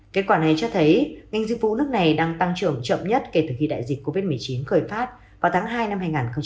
kết quả này cho thấy ngành dịch vụ nước này đang tăng trưởng chậm nhất kể từ khi đại dịch covid một mươi chín khởi phát vào tháng hai năm hai nghìn hai mươi